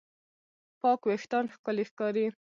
پاک وېښتيان ښکلي ښکاري.